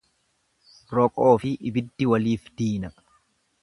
Raqoofi ibiddi walif diina.